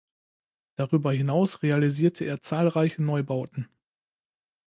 Darüber hinaus realisierte er zahlreiche Neubauten.